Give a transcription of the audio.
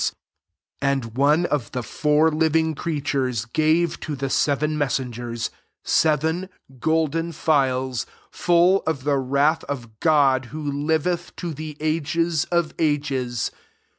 7 And one of the four living creatures gave to the seven messengers seven golden phials full of the wrath of God who liveth to the ages of ages.